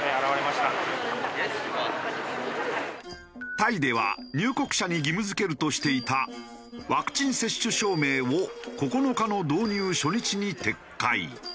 タイでは入国者に義務付けるとしていたワクチン接種証明を９日の導入初日に撤回。